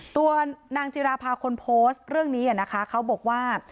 ตัวนางจิราภาคนโพสต์เรื่องนี้นะคะเขาบอกว่า